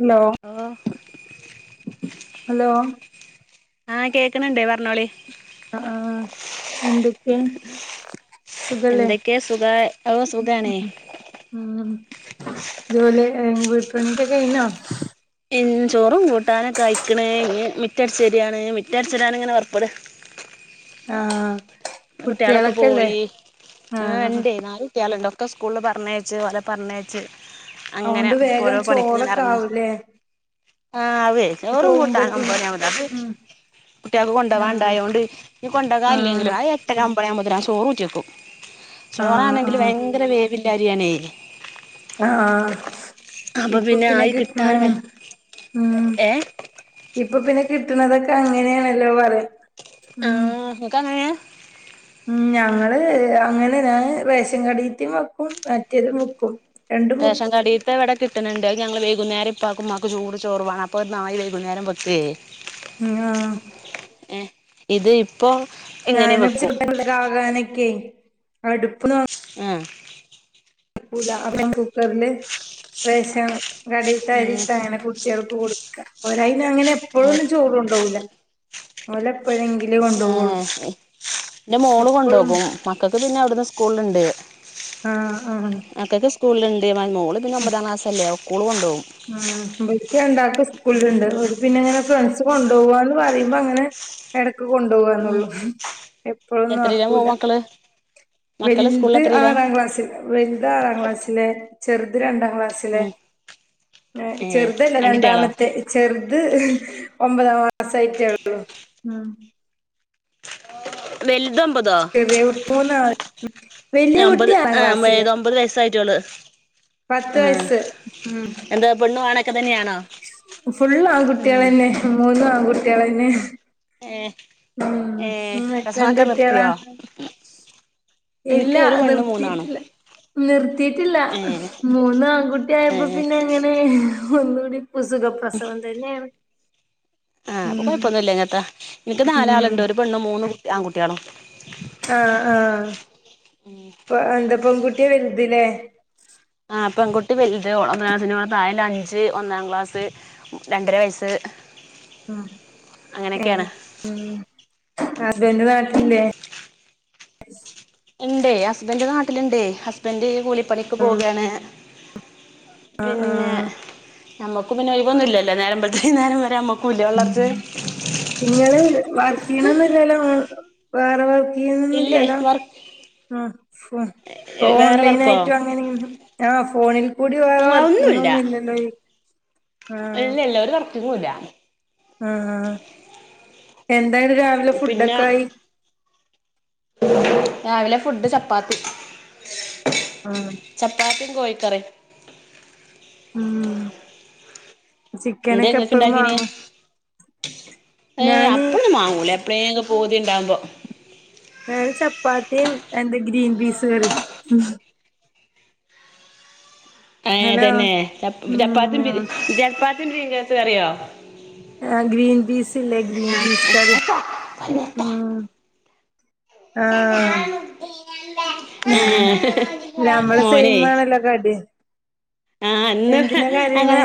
Hello ഓ hello ആഹ കേക്കണ് ഇണ്ട് പറഞ്ഞോളി ആ ആ എന്തൊക്കെ സുഖല്ലേ? എന്തൊക്കെയ സുഖ ഓ സുഖാണേ [unintelligible] ജോലി വീട്ടണിക്കോ കഴിഞ്ഞോ ഉം ചോറും കൂട്ടാനൊക്കെ ആ ഴി ക്ക്ണ് ഞ്ഞ് മിറ്റടിച്ചാര്യാണ്. മറ്റടിച്ചാരാങ്ങനെ പൊറപ്പട ആഹ കുട്ടിയാളൊക്കെ പോയി ആ ഇണ്ടേ നാല് കുട്ടിയാളണ്ട്. ഒക്കെ സ്കൂളിൽ പറഞ്ഞേച് ഒലെ പറഞ്ഞേച് അങ്ങനെ അതൊണ്ട് പൊ വേഗം ഓരോ പണിക് ഇങ്ങന ചോറൊക്കെ എറങ്ങ ആവൂലേ ആഹ് അവേ ചോറുംകൂട്ടാനും പോകുമ്പത്തിന് [unintelligible] ഉം കുട്ടിയാൾക്ക് ആ കൊണ്ടാവാൻ ഇണ്ടായൊണ്ട് ഞ്ഞ് കൊണ്ടകാൻ ആ ഇല്ലെങ്കിലും ആഹ് എട്ട് ആരാ മ്പയാ മുതല ചോർ ഊറ്റി വക്കും ആ ചോറാണെങ്കില് ഭയങ്കര വേവില്ല അരിയാണേ ആഹ ഇപ്പൊ പിന്നെ കിട്ട്ണെ ഏ ഇപ്പൊ പിന്നെ കിട്ടുണതൊക്കെ അങ്ങനെയാണല്ലോ പറയാ ആഹ ഉം ഇൻക്കങ്ങനേ ഉം ഞങ്ങള് അങ്ങനെ ഞാൻ റേഷൻ കടേത്തി വെക്കും മറ്റേതും വെക്കും രണ്ടും റേഷൻ വെക്കും കാടേത്തെ വെടെ കിട്ടണണ്ട് ഞങ്ങള് വൈകുന്നേരം ഇപ്പാകുംമാകും ചൂട് ചോർ വേണം അപ്പൊ ര് നായി വൈകുന്നേരം വെക്കേ ആഹ ഏ ഇത് ഇപ്പോ ഞാന് ചി [inaudible] ആകാനൊക്കെ അടുപ്പ് നോ ആഹ് ക്കൂലാ അപ്പം കുക്കറില് റേഷ ഉം കടയിൽത്തരിയിട്ട് അങ്ങനെ കുട്ട്യേൾക്ക് കൊടുക്ക ഒലെയ്ന അങ്ങനെ എപ്പോഴൊന്നും ചോർ കൊണ്ടോകൂല ഉ [unintelligible] ആ എന്റെ മോൾ എപ്പഴും കൊണ്ടോകും മക്കൾക്ക് പിന്നെ അവിടുന്ന് സ്കൂള്ണ്ട് ആഹ ആഹ അ [unintelligible] മോള് പിന്നെ ഒമ്പത ക്ലാസല്ലെ ഓക്കോളു കൊണ്ടോവും ആഹ ഇബൽക്ക് രണ്ടാൾകും സ്കൂളിൽണ്ട് ഓര് പിന്നെങ്ങനെ ഫ്രണ്ട്സ് കൊണ്ടു പോവാന്ന് പറയുമ്പോ അങ്ങനെ എട ക്ക് ഉം കൊണ്ടോവാന്നള്ളൂ എപ്പോളൊന്നും എത്രയിലാ മോ നടക്കൂല മക്കള് മക്കള് സ്കൂളിൽ വലുത് എത്രയിലാ ആറാം ക്ലാസ്സിൽ വലുത് ആറാം ക്ലാസ്സിലെ ചെറുത് രണ്ടാം ക്ലാസ്സിലെ ഉം ഏഹ് ചെറുതല്ല രണ്ട് കുട്ടികളോ രണ്ടാമത്തെ ചെറുത് ഒമ്പതാം മാസ ആയിട്ടേള്ളൂ വൽതും തോ ചെറിയ കുട്ടി മൂന്നാള് വലിയ ഏ കുട്ടി ഒമ്പത് ആറാം ക്ലാസ്സില് ഒമ്പത് വയസായി ട്ടൊള്ളൂ പത്ത് ആഹ വയസ്സ് എന്താ പെണ്ണു ആണെ ഫുള്ള് ആൺകുട്ട്യേൾ തന്നെ മൂന്നും ആൺകുട്ട്യേൾ എന്നെ ഏ ഉം ഏ ഇങ്ങക്ക് എന്ത് പ്രസവൊക്കെ കുട്ട്യേളാ നിർത്തിയോ ഇല്ല എനിക്ക് ഒരു പെണ്ണും മൂന്നാണും നിർത്തിയിട്ടില്ല നിർത്തിട്ടില്ല ഏ മൂന്ന് ആൺകുട്ടി ഏ ആയപ്പോ പിന്നെ അങ്ങനെ ഒന്നൂടി പസുഗ പ്രസവം തന്നെ ആഹ് അപ്പൊ കുഴപ്പൊന്നുമില്ല പിന്നെത്താ ഇൻക്ക് ഉം നാലാ ആളുണ്ട് ഒരു പെണ്ണും മൂന്ന് ആൺകുട്ട്യേളും ആഹ ആഹ പ എന്താ പെൺകുട്ടി വൽത്‌ല്ലേ ആഹ പെൺകുട്ടി വലുത് ഓൾ ഒന്ന് പിന്നെ ഓളെ താഴെ അഞ്ച് ഒന്നാം ക്ലാസ് രണ്ടര വയസ്സ് ആ ഏ അങ്ങനെയൊക്കെയാണ് ഉം ഹസ്ബന്റ് നാട്ടിലില്ലേ ഉണ്ടേ ഹസ്ബൻഡ് നാട്ടിൽ ഉണ്ടേ ഹസ്ബൻഡ് കൂലി പണിക്ക് പോകാണേ ആഹ ആഹ നമ്മുക്ക് പിന്നെ ഒയിവ് ഒന്നും ഇല്ല നേരം ബെൾത്ത് വെയ്ന്നരം വരെ ഇല്ലേ വളർച്ച നിങ്ങള് വർക്ക് ചെയ്യണന്നില്ലല്ലോ വേറെ ഇല്ലേ ന്നൊന്നുംല്ലല്ലോ വർക്ക് ആ [unintelligible] ഇപ്പൊ വേറെ ഓൺലൈന വർക്കോ ആയിട്ടും അങ്ങനെ ആ ഫോണിൽ കൂടി വേറെ വർക്കിങ് ഒന്നുല്ല ഒന്നുംല്ലല്ലോ ഇല്ല ഇല്ല ഒരു വർക്കിങ്ങും ഇല്ല എന്താന് രാവിലെ പിന്നെ ഫുഡൊക്കെ ആയി രാവിലെ ഫുഡ് ചപ്പാത്തി ചപ്പാത്തിയും കോഴിക്കറിയും ഉം എന്തെ ചിക്കനൊക്കെ ങ്ങക്ക് എപ്പഴും ണ്ടാകീനി വാങ്ങും ഏ ഞാന് അപ്പൊന്നും മാങ്ങൂല എപളേം പൂ തിണ്ടാവുമ്പോ ഞൻ ചപ്പാത്തിയും എന്താ ഗ്രീൻ പീസ് കറി ഏ ഹലോ തന്നെ ചപ്പ ഉം ചപ്പാത്തിും ചപ്പാത്തിും പീസ് ക റിയോ ആഹ ഗ്രീൻ പീസ് ഇല്ലേ ഗ്രീൻ പീസ് കറി ഉം ആഹ ഏ നമ്മള് സൈമാണല്ലോ കടി ആഹ് അന്ന് എന്തിനാ അങ്ങനെ കരയണേ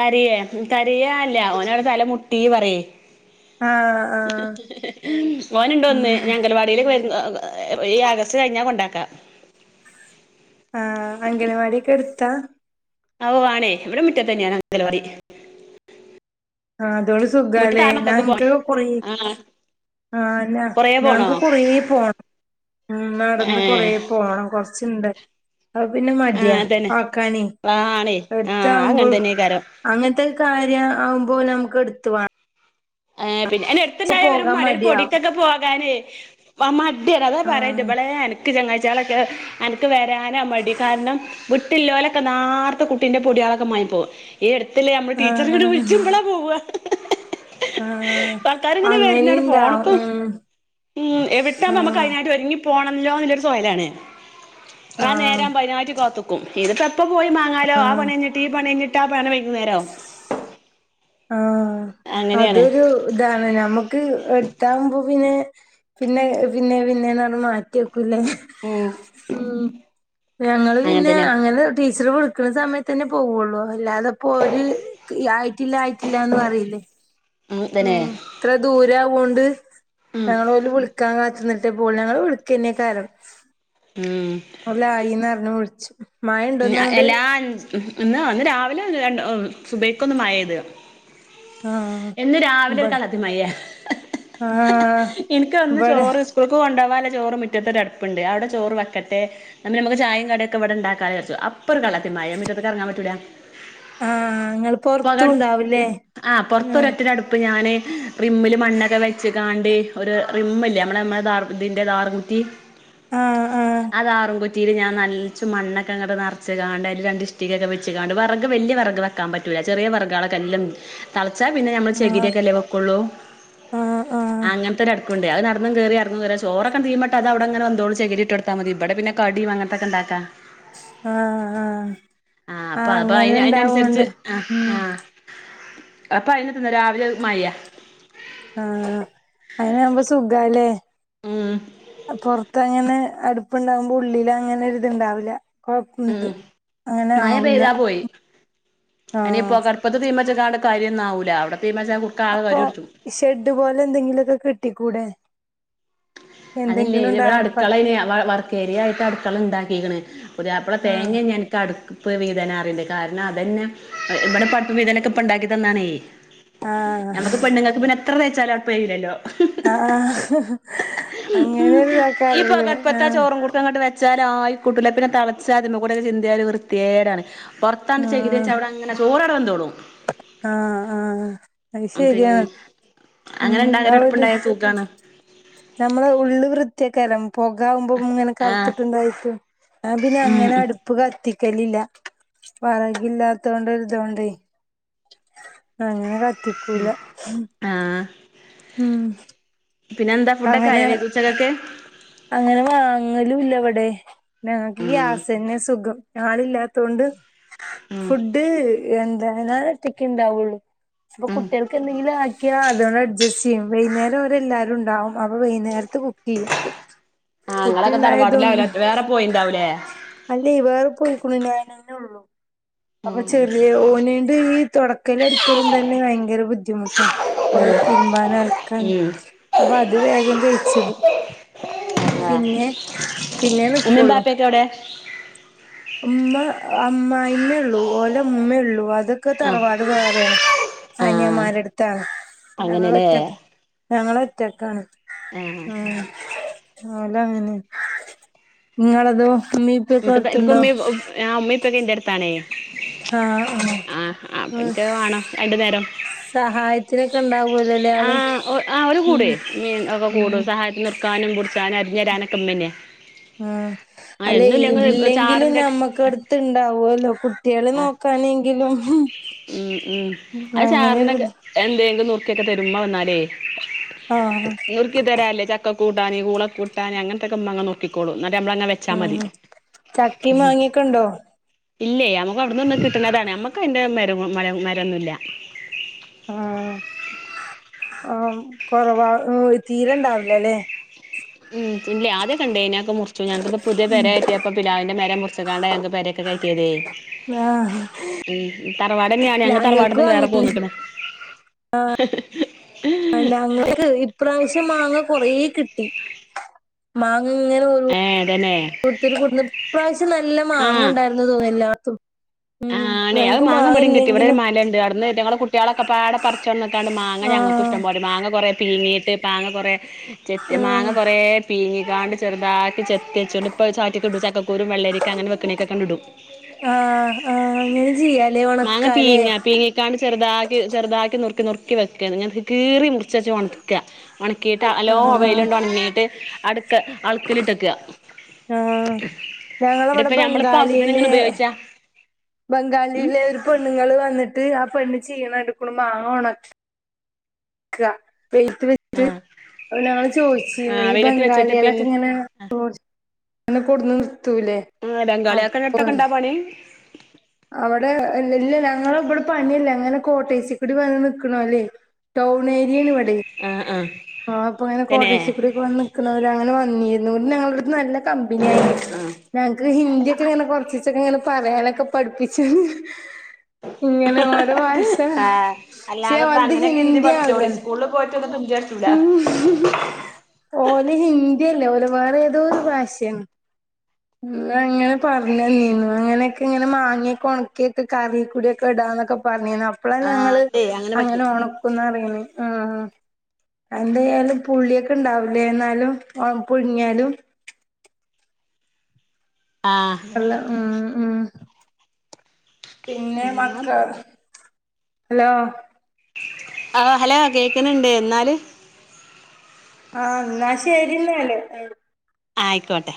കരിയേ കരിയല്ല ഓനോടെ തല മുട്ടീ പറ ആഹ് ആഹ് മോ നുണ്ടോന്ന് ഉം ഞൻങ്കലവാടിയിലേ വ ഈ ആഗസ്റ്റ് കഴിഞ്ഞാൽ കൊണ്ടാക്കാം ആഹ അംഗനവാടി ക്കെ എടുത്താ ഔ ആണേ ഇ വിടെ മുറ്റ തന്നെയാണ് അംഗൽവാടി ആഹ അതോടെ സുഖല്ലേ പോണേ ഞാക്ക്ൊക്കെ പോയി ആ ആഹന്നാ കൊറേ പോണോ ഞങ്ങക്ക് കുറേ പോണം ഉം ഏ നടന്ന് കൊറ പോണം കൊറച്ചുണ്ട് അ പിന്നെ ആ മടി അതന്നെ ആ ക്കാനേ ആ ആണേ ആ എടുത്ത അങ്ങനെ ആാവുമ്പോൾ തന്നെക്കാരം അങ്ങനത്തെ കാര്യം ആകുമ്പോലെ നമുക്ക് എടുത്തുാണ് ആ പിന്നെ ഐൻ എടത്തണ്ടായ ഒരു മടിയാവും മടിപൊടിക്കൊക്കെ പോകാന് മ ടി ആദ്യ പറണ്ട് ആഹ് ബളെ അ ചങ്ങഴച്ചാലൊക്കെ അ നിക്ക് വരാന മടി കാരണം വിട്ടില്ലോലൊക്കെ നാർത്തെ കുട്ടിന്റെ പൊടി െ മ പോ ഈ എടുത്തല്ലേ നമ്മള് ടീച്ചർ കട് വിളിച്ചുമ്പളാ പോവ ആഹ വരുന്നാണ് അങ്ങനെന്താ ഫോണ്ക്കും ഉം ഉം എ വിട്ടാുമ്പോ നമ്മുക്ക് ആഹ് കതിനായിട്ട് ഒരുങ്ങി പോണല്ലോ എന്നുള്ളൊരു സോലാണ് ആ ആഹ് നേരാമ്പതിനാറ്റകാത്തക്കും ഇതിപ്പോ എപ്പ പോയി മാങ്ങാലോ ആ ആഹ് പണിഴിഞ്ഞിട്ട് ഈ പണിഴിഞ്ഞിട്ട് കിട്ടാ പണ വൈകേരോ ആഹ അതൊരു ഇതാണ് നമ്മുക്ക് എടുത്താുമ്പോ പിന്നെ പിന്നെ പിന്നെ പിന്നെ ന്നറഞ് മാറ്റി വെക്കൂല്ലേ ഉം ഉം ഞങ്ങള് അങ്ങനെ പിന്നെ തന്നെയാണ് അങ്ങനെ ടീച്ചറ് കൊടു നക്കുന്ന സമയത്ത് തന്നെ പോവുള്ളൂ അല്ലാതെപ്പോൊ ഒരുര് ആയിട്ടില്ല ആയിട്ടില്ലന്ന് അറിയില്ലേ ഉം ഇത്ര ദൂരവൊണ്ട് ഉം ഞങ്ങള്ഓല് വിളിക്കാൻ ന്നട്ട് പോവുള്ളു ഞങ്ങൾ വിളക്കന്നെക്കാരം ഉം ഓലാ യിന്ന്റിഞ്ഞഞ് വിളിച്ചു മഴണ്ടോന്നങ്ങട് എല്ലാ ഇന്ന് അന്ന് രാവിലെ ര സുബൈ ക്കൊന്നും മഴ ഇത് ആഹ് ഇ ന്ന് രാവിലെ ഒരു ഇബടെ കാളദ്യ മയ ആഹ് എനിക്ക്ന്ന് ഇബടെ ചോറ് സ്കൂൾ കൊ ണ്ടാ വാള്ള ചോറ് മുറ്റത്ത ഒരു അടുപ്പുണ്ട് അവിടെോ വക്കട്ടെ നമ്മ നക്ക് ചായയും കടിക്കെ ഇവിടെ ഉണ്ടാക്കചാര്ച്ചും അ പം ഒരു കള്ളത്തിമയ മറ്റത്തെക്ക് ഇറങ്ങാൻപറ്റൂല ആഹ് ഇങ്ങള് പക പൊറത്തും ഉണ്ടാവുല്ലേ ആഹ പുൊറത്തൊര ആഹ് ഒറ്റയുടെ അടുപ്പ് ഞാന് റിമ്മില് മണ്ണൊക്കെ വെച്ച കാണ്ട് ഒരു റിമ്മല്ലേ നമ്മടെ നമ്മുടെ ഇതിന്റെദാർ കുറ്റി ആഹ് അതാ റുൻ കു റ്റീ ൽ ഞൻ നറ ച്ച മണ്ൊക്കെ അങ്ങട്ട നിറച്ച് കാാണ്ട് രണ്ട്ി്ടിക്കെ വെച്ച് കാണ്ട് വറക് വലിയ വറഗ വെക്കാൻ പറ്റുല ചെറിയ വർഗെ ച്ച പിന്നെ ഞമ്മൾ ചെകിരി ആഹ് ഒക്കെ അല്ലേ വെക്കുള്ളൂ ആഹ് ആഹ് ആഹ് അങ്ങ കൊണ്ട് അതു നടന്ന് കയറി അറങ്ങും കയറി ചോറൊക്കേ ആണ്ട് തീമട്ട് അത് അവിടെങ്ങെ വെന്തോളും ചകരിട്ട്ടുത്താ മതി ഇവിടെപിന്നെ കടി അങ്ങനത്തക്കെണ്ടാക്കാം ആ ആ ആഅപ്പൊ അപ്പൊ അയ്ന്നുസരിച്ച് ആ ഉം ആ അപ്പൊ അയിനതിന്ന് രാവിലെ മയ്യ. ആ അയിനാവുമ്പോ സുഖല്ലേ ഉം പൊറത്തങ്ങെനേ. അടുപ്പുണ്ടാവുമ്പോ ഉള്ളിലങ്ങനെ ഒരിതുണ്ടാവില്ല. കൊഴപ്പം ഇത് ഉം അങ്ങനെ മഴ ആവില്ല പെയ്താ പോയി അനി ആഹ് പൊകടുപ്പത്തെ തീമച് ങ്ങണ്ട് കര്യൊന്നാവൂല അവിടെ. തീമച്ചാ കുറുക്ക ആകെ അപ്പൊ കരി പിടിച്ചും ഷെഡ് പോലെ എന്തെങ്കിലുമൊക്കെ കെട്ടിക്കൂടെ? അതല്ലേ എന്തെങ്കിലും ത് വ്ടെ ടാർപ്പായി അടുക്കള ഏനി മ ശെരിയായിട്ട് അടുക്കളണ്ടാക്കിക്ക്ണ് പുതിയാപ്ല ആഹ് തേങ്ങേഞ്ഞി അനക് അടുക്ക് പ്പ് വീതന അറിണ്ട് കാരണം അതന്നെ ഇവിടെ പപ്പ് വീതനക്കെ ഇപ്പണ്ടാക്കി തന്നാണേ. ആഹ് ഞമ്മക്ക് പെണ്ണുങ്ങൾക്ക് പിന്നെ എത്ര തേച്ചാലും അഴപ്പല്ലല്ലോ. ആ ആ ഉം ഇ പൊകപ്പുത്ത ആഹ് ചോറും കുടു അങ്ങട്ട് വ ച്ചാല ആയിക്കൂട്ടുല്ല പിന്നെ തളച്ചാതിമ്മ കൂടെക്കെ ചിന്തിയാല് വൃത്തിയേടാണ്. പുറത്താണ്ട് ചകിരി വെചാ അവിടങ്ങനെ ചോറ അവടെ വെന്തോള്ളും. ആ ആ അ ശെരിയാ പിന്നെ അങ്ങനെ ഉംആ ഇണ്ടാകല് ഒരു അടുപ്പുണ്ടായ സുഖാണ് കരം പുക ആകുമ്പോ ഇങ്ങനെ ആഹ് കറുത്തിട്ടുണ്ടായിട്ടു ആ പിന്നെ ഉം അങ്ങനെ ഉം അടുപ്പ് കത്തി ക്കലില്ല വറകില്ലാത്തോണ്ടരിതോണ്ടേ. അങ്ങനെ കത്തിക്കൂല. ആഹ് ഉം പിന്നെ എന്താ ഫുഡൊക്കെ ആയൊ അങ്ങനെ വൈകു ഉച്ചക്കെക്ക്? അങ്ങനെ വാങ്ങലുല്ല ഇവടെ ഞങ്ങക്ക് ഉം ഗ്യാസന്നെ സുഖം. ആരുല്ലാത്തോണ്ട് ഉം ഫുഡ് എന്താണ് ഞാൻ ഒറ്റക്കെ ഇണ്ടാവുള്ളു. അപ്പൊ ഉം കുട്ടികൾക്ക് എന്തെങ്കിലും ആ ക്യാ അതുകണ്ട് അഡ്ജസ്റ്റ് ചെയ്യും വൈകുന്നേരം ഓരെല്ലാവാരും ഉണ്ടാവും അപ്പ വൈകുന്നേരത്ത് കുക്ക്യ്യും. ആഹ് ഇങ്ങളൊക്കെ കുട്ടിണ്ടായതോ തറവാട്ടിലാവൂലേ വേറെ പോയിണ്ടാവൂലേ അല്ലേ വേറെ പോ കുണിനായിനന്നെ ഉള്ളൂ. അപ്പൊ ഉം ചെറിയ ഓനേട് ഈ തുടക്കൽ അടിക്കലും തന്നെ ഭയങ്കര ബുദ്ധിമുട്ടാ. കുറ തിരുമ്പാന അലക്കാൻ അപ്പൊ അത് വേഗം കെഴിച്ച്ടും. പിന്നെ പിന്നെ ഉമ്മീം നിക്കോള്ളൂ. ബാപ്പയൊക്കെ എവിടെ ഉമ്മ അമ്മായിമ്മ ഉള്ളൂ ഓലെ ഉമ്മ ഉള്ളൂ വാ അതൊക്കെ ആഹ് തറവാട് വേറെയാണ് ആഹ് അനിയമാരുടുത്താണ് ഞങ്ങള അങ്ങനെല്ലേ ഒറ്റക്ക് ഞങ്ങള ഒറ്റക്കാണ് ആഹ് ഉം. ഓല അങ്ങനെ നിങ്ങളതോ? ഉമ്മീം ഉപ്പയൊക്കെ ഇനിക്ക് അടുത്തുണ്ടോ പേക്കുമ്മി ആ മ്മേ പ്പൊക്കെ എന്റെ അടുത്താണേ. ആഹ് ആഹ് ആ ഉം അപ്പിന്ക്ക് വേണം രണ്ടു നേരം. സഹായത്തിനൊക്കെ ഉണ്ടാവല്ലോല്ലേ ആ ആള് ആ ഓര് ഉം കൂടെ മീ ഒക്കെ ഉം കൂട സഹായത്തി നിർക്കാനും പുടിച്ചാനും അരിഞ്ഞേരാ ക്കെ മ്മന്നെ ആ അല്ലെ ഇല്ലെങ്കിലും ചാറിന്റെ നമ്മക്കടുത്ത് ഇണ്ടാവോല്ലോ കു ട്ടികൾ ആഹ് നോക്കാനെങ്കിലും. ഉം ഉം ആ അങ്ങനെയൊരു ചാറിനൊക്കെ എന്തെങ്കിലും നറുക്കിയൊക്കെ തരു മ്മ വന്നാലേ. ആഹ് നുറുക്കി തരാല്ലേ ചക്ക കൂട്ടാന് കൂള കൂട്ടാന് അങ്ങനത്തെക്കെ ഉമ്മ നുറുക്കിക്കോളും. ട്ട മ്മളന്നെ വെച്ചാ ഉം മതി. ചക്കിം മാങ്ങിയൊക്കെ ഉണ്ടോ? ഇല്ലേ നമുക്ക് അവിടുന്ന് ഒന്ന് കിട്ടണതാണ് അമ്മക്ക് അയിൻ്റെ മരവു മരമരൊന്നുല്ല ആ കൊറവാ തീരെണ്ടാവലല്ലേ? ഉം ഇല്ലേ ആദ്യൊക്കെണ്ടെന്നെ. മുറിച്ചു ഞങ്ങക്ക്‌പ്പോ പുത്യേ പേര കേറ്റിയപ്പോ പിലാവിന്റെ മരം മുർച്ച്ക്കാണ്ടാ ഞങ്ങക്ക് പേരെക്കെ കേറ്റിയതെ ആ തറവാടെന്നെയാണ് ഞങ്ങള് തറവാട്ന്ന് വേറെ പോന്ന്ക്ക്‌ണ് അന്ന ഞങ്ങനക്ക് ഇപ്രാവശ്യം മാങ്ങ കൊറേ കിട്ടി മാ ഇങ്ങനെ ഏഹ് അതന്നെ കൊടുത്തിരു കുടുന്ന ഈ പ്രാവിശ്യം നല്ല മാങ്ങ ആഹ് ഉണ്ടായിരുന്നു തോന്നില്ല. ഉം. ണ്ടേ അത് ഞങ്ങക്ക് മാങ്ങ ഇവടിം കിട്ടി ഇവടൊര് ഇല്ലെങ്കിലും മലണ്ട് അവട്ന്ന് ഇറ്റങ്ങൾ കുട്ട്യാളൊക്കെപാടെ പറച്ച് കൊണ്ടന്ന്ക്കാണ്ട് മാങ്ങ ഞങ്ങക്ക് ആഹ് ഇഷ്ടംപോലെ മാങ്ങ കൊറേ പീങ്ങി മാങ്ങ കുറെ ചെത്ത് മാങ്ങ ആഹ് കുറെ പീങ്ങിക്കാണ്ട് ചെറ്താക്കി ചെ ത്ത്യച്ചൊണ്ട് ഇപ്പത് ചാറ്റ്ക്ക്‌ടും ചക്കക്കുരും വെള്ളരിക്ക അങ്ങനെ വെക്ക്‌ണേക്കൊക്കേങ്ങ്ടും ഇങ്ങനെ ചെയ്യ മാങ്ങ പീങ്ങാ പീങ്ങിക്കാണ്ട് ചെറ്താക്കി ചെറ്താക്കി നുറ്ക്കി നുറ് ക്കി വെക്ക ഇങ്ങനെ കീറി മുറ്ച്ചേച്ച് ഒണക്ക ഒണക്കീട്ട് നല്ലോ ആഹ് വെയിലൊണ്ട് ഒണങ്ങീട്ട് അൾക്ക്‌ല്ട്ട്ക്കാ ആഹ് ഞങ്ങളവിടെ ഇടെപ്പ ഞമ്മള് ഇപ്പൊവ്സ്യത്തിന് ബംഗാളിയില് ഇങ്ങനെ ഉപയോയിച്ചാ ബംഗാളിലെ ഒരു പെണ്ണ്ങ്ങള് വന്നിട്ട് ആ പെണ്ണ് ചെയ്യണണ്ട്ക്ക്‌ണു മാങ്ങ ഒ ക്കാ വെയിലത്ത് വെച്ച് ആഹ് അത്പോലെ ഞങ്ങള് ചോയിച്ചിന്ന് ആഹ് ഈ വെയിലത്ത് വെച്ചിട്ട് പിൻ ബംഗാളികളൊക്കെങ്ങനെ ആ റോ അങ്ങനെ കൊട്ന്ന് നിർത്തൂലേ ആ അ ബംഗാളിയാക്കടുത്തൊക്കെ പോലെ ഇണ്ടാ പണി അവടെ ഇല്ല ഞങ്ങളെബടെ പണില്ലേ അങ്ങനെ കോട്ടേയ്സി കൂടി വന്ന് നിക്ക്ണോല്ലേ ടൗൺ ഏര്യാണ് ഇവ ടെ ആഹ് ആഹ് ആ അപ്പങ്ങനെ തന്നെ കോട്ടേയ്സി കൂടിയൊക്കെ വന്ന് നിക്ക്‌ണോല് അങ്ങനെ വന്നീന്നു ഞങ്ങളട്ത്ത് നല്ല കമ്പനിയ്നു ആഹ് ഞങ്ങക്ക് ഹിന്ദിയൊക്കെങ്ങനെ കൊറച്ചീച്ചേ പറേനൊ പഠിപ്പിച്ച് ഇങ്ങനെ ഓരോ ഭാഷ ആഹ് പക്ഷെ അല്ലാതെപ്പ ഓലത് അങ്ങനെയൊക്കെ ഹിന്ദി പഠിച്ചോളി ആവില്ലല്ലോ സ്കൂള്ല് പോയിട്ട് ഉം [unintelligible] ഓല് ഹിന്ദില്ലോലെ വേറെ ഏതോര് ഭാഷയാണ് ഉമ്മ അങ്ങനെ പറഞ്ഞേന്നീന്നു അങ്ങനെയൊക്കെങ്ങനെ മാങ്ങയൊക്കെ ഒണക്കീട്ട് കറികൂടൊക്കെടാ ന്നോക്കെ പറഞ്ഞീന്നു അപ്പളാ ആഹ് ഞങ്ങള് ഇണ്ടേ അങ്ങനെ പറ്റും ഓണക്കുന്നറീണ് ഉം എന്തായാലും പുള്ളിയൊക്കെണ്ടാവുലേ എന്നാലും ഒണ് പുഴ്ങ്ങിയാലും ആ അല്ല ഉം ഉം പിന്നെ മക്കള് ഹലോ ആ ഹലോ കേക്ക്‌ന്ന്ണ്ട് എന്നാല് ആ ന്നാ ശെരിന്നാല് ആയിക്കോട്ടെ